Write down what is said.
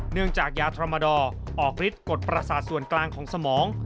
เนื่องจากยาทรมาดอร์ออกฤทธิ์กดประสาทส่วนกลางของสมอง